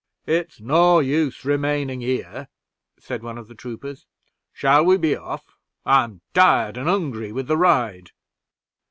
"It's no use remaining here," said one of the troopers. "Shall we be off! I'm tired and hungry with the ride."